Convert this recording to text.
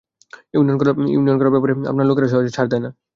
Union করার ব্যাপারে আপনার লোকেরা সহজে ছাড় দেয় না।